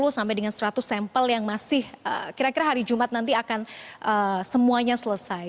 sepuluh sampai dengan seratus sampel yang masih kira kira hari jumat nanti akan semuanya selesai